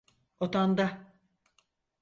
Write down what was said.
Odanda.